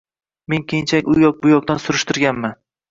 Men keyinchalik u yoq bu yoqdan surishtirganman.